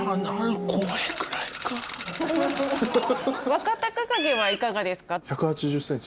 若隆景はいかがですか？